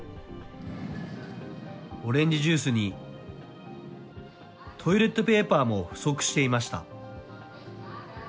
オレンジジュースにトイレットペーパーも不足していました。